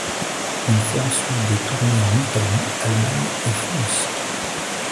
Il fait ensuite des tournées en Italie, Allemagne et France.